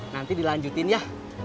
nanti dilanjutin ya